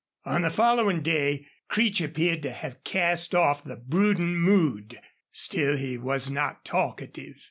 On the following day Creech appeared to have cast off the brooding mood. Still, he was not talkative.